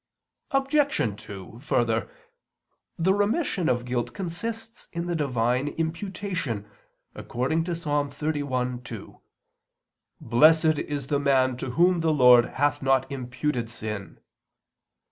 Obj. 2: Further, the remission of guilt consists in the Divine imputation, according to Ps. 31:2: "Blessed is the man to whom the Lord hath not imputed sin."